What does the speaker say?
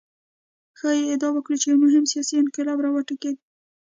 ښايي ادعا وکړو چې یو مهم سیاسي انقلاب راوټوکېد.